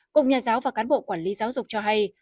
cùng nhà giáo và cán bộ quản lý giáo dục cho hay